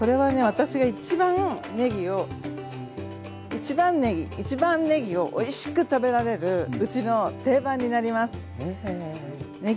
私が一番ねぎを一番ねぎ一番ねぎをおいしく食べられるうちの定番になります。